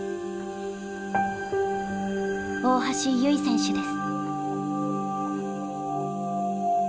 大橋悠依選手です。